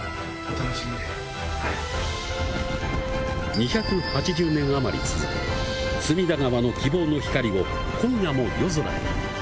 ２８０年あまり続く、隅田川の希望の光を今夜も夜空へ。